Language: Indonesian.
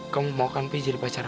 kamu mau kan pi jadi pacar aku